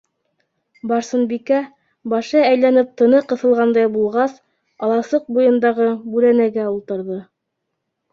Барсынбикә, башы әйләнеп тыны ҡыҫылғандай булғас, аласыҡ буйындағы бүрәнәгә ултырҙы.